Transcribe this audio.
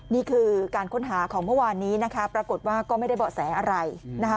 นี่คือการค้นหาของเมื่อวานนี้นะคะปรากฏว่าก็ไม่ได้เบาะแสอะไรนะคะ